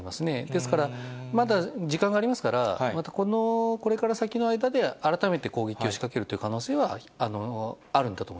ですから、まだ時間がありますから、これから先の間で改めて攻撃を仕掛けるという可能性はあるんだと